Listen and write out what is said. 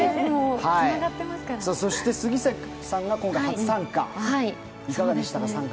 そして杉咲さんが今回、初参加、いかがでしたか？